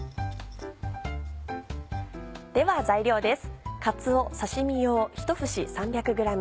では材料です。